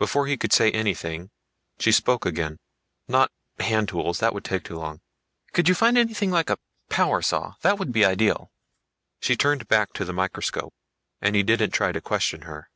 Before he could say anything she spoke again. "Not hand tools; that would take too long. Could you find anything like a power saw? That would be ideal." She turned back to the microscope, and he didn't try to question her.